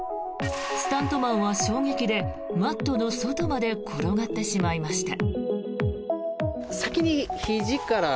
スタントマンは衝撃でマットの外まで転がってしまいました。